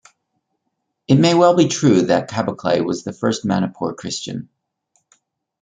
It may well be true that Kaboklei was the first Manipur Christian.